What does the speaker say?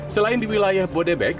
selain di wilayah bodebek